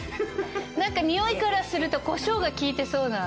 何かにおいからするとこしょうが効いてそうな。